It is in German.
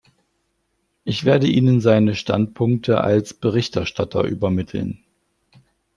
Ich werde Ihnen seine Standpunkte als Berichterstatter übermitteln.